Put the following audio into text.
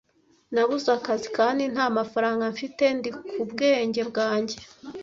Nabuze akazi kandi nta mafaranga mfite. Ndi ku bwenge bwanjye.